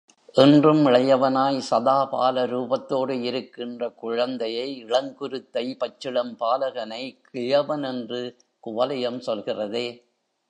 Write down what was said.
என்றும் இளையவனாய், சதாபால ரூபத்தோடு இருக்கின்ற குழந்தையை, இளங்குருத்தை, பச்சிளம் பாலகனை, கிழவன் என்று குவலயம் சொல்கிறதே!